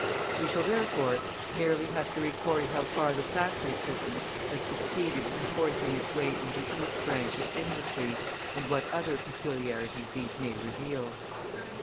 We shall, therefore, merely have to record how far the factory system has succeeded in forcing its way into each branch of industry, and what other peculiarities these may reveal.